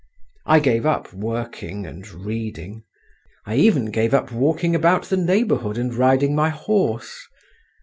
I gave up working and reading; I even gave up walking about the neighbourhood and riding my horse.